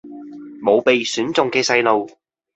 無被選中嘅細路